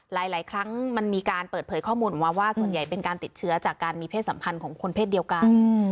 หลายครั้งมันมีการเปิดเผยข้อมูลออกมาว่าส่วนใหญ่เป็นการติดเชื้อจากการมีเพศสัมพันธ์ของคนเพศเดียวกัน